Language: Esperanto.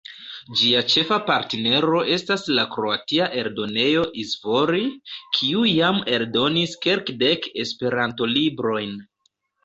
Ĝia ĉefa partnero estas la kroatia eldonejo Izvori, kiu jam eldonis kelkdek Esperanto-librojn.